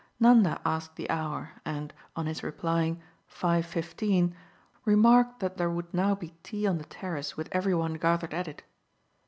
Nanda asked the hour and, on his replying "Five fifteen," remarked that there would now be tea on the terrace with every one gathered at it.